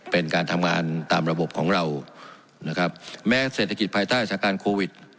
เป็นการทำงานตามระบบของเรานะครับแม้เศรษฐกิจภายใต้สถานการณ์โควิด